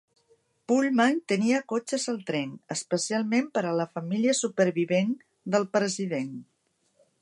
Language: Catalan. Pullman tenia cotxes al tren, especialment per a la família supervivent del president.